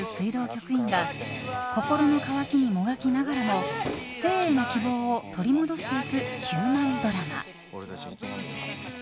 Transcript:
局員が心の渇きにもがきながらも生への希望を取り戻していくヒューマンドラマ。